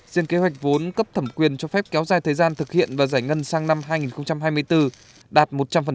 riêng kế hoạch vốn cấp thẩm quyền cho phép kéo dài thời gian thực hiện và giải ngân sang năm hai nghìn hai mươi bốn đạt một trăm linh